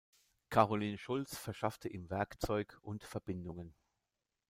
Caroline Schulz verschaffte ihm Werkzeug und Verbindungen.